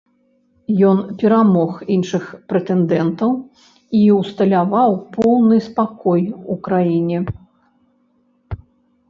Ён перамог іншых прэтэндэнтаў і ўсталяваў поўны спакой у краіне.